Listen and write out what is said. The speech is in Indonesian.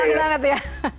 enak banget ya